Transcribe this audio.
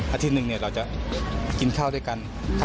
อาทิตย์หนึ่งเราจะกินข้าวด้วยกัน